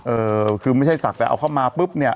เออคือไม่ใช่ศักดิ์แต่เอาเข้ามาปุ๊บเนี่ย